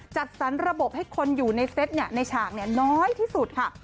จัดสรรระบบให้คนอยู่ในเซตในฉากน้อยที่สุดค่ะ